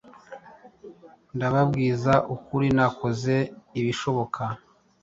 Ndababwiza ukuri nakoze ibishoboka